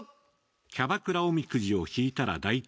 キャバクラおみくじを引いたら大凶！